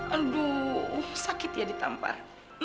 aduh sakit ya ditampar